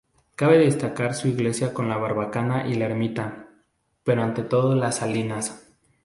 Cabe destacar su iglesia con barbacana y la ermita, pero ante todo las salinas.